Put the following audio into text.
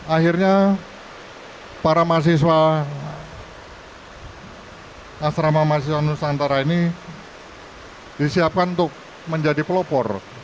akhirnya para mahasiswa asrama mahasiswa nusantara ini disiapkan untuk menjadi pelopor